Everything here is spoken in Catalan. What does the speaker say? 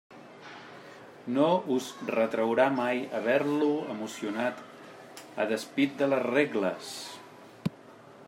No us retraurà mai haver-lo emocionat a despit de les regles.